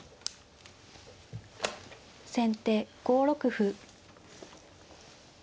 先手５六歩。